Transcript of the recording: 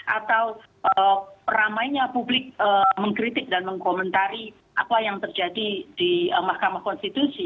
atau ramainya publik mengkritik dan mengkomentari apa yang terjadi di mahkamah konstitusi